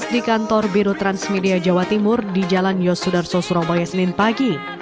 di kantor biro transmedia jawa timur di jalan yosudarso surabaya senin pagi